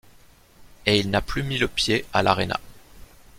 Et il n'a plus mis le pied à l'Arena.